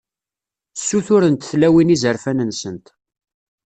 Ssuturent tlawin izerfan-nsent.